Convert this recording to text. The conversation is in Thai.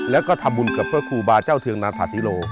แล้วก็ทำบุญกับพระครูบาเจ้าเทืองนาธาธิโล